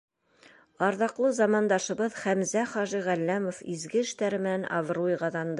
Арҙаҡлы замандашыбыҙ Хәмзә хажи Ғәлләмов изге эштәре менән абруй ҡаҙанды.